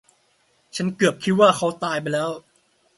ฉันเกือบคิดว่าเขาตายไปแล้ว